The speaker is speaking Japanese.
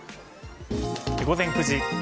午前９時。